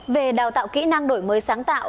về đào tạo kỹ năng đổi mới sáng tạo